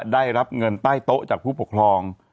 ได้รับเงินใต้โต๊ะจากผู้ปกครอง